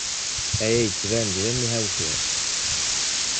Aya yettban-d d amihaw cwiṭ.